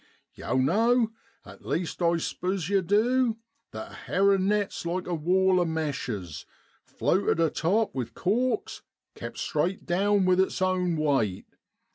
* Yow know, at least I s'pose yer du, that a herrin' net's like a wall of meshes, floated a top with corks, kept straight down with its own weight.